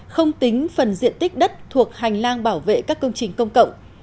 không tính phần diện tích đất thuộc hành lang bảo vệ các công trình công cộng